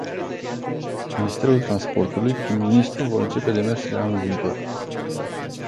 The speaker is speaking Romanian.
Ministerul Transportului prin ministru vor incepe demersurile anul viitor.